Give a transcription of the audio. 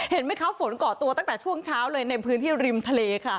เห็นไหมคะฝนเกาะตัวตั้งแต่ช่วงเช้าเลยในพื้นที่ริมทะเลค่ะ